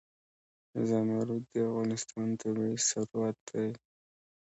زمرد د افغانستان طبعي ثروت دی.